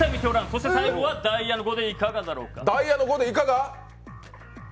そして最後はダイヤの５でいかがだろうか？